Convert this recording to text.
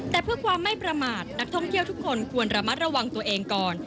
แต่เพื่อความไม่ประมาทนักท่องเที่ยวทุกคนควรระมัดระวังตัวเองก่อน